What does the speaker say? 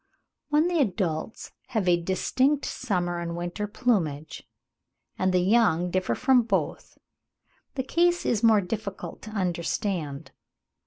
When the adults have a distinct summer and winter plumage, and the young differ from both, the case is more difficult to understand.